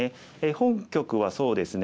本局はそうですね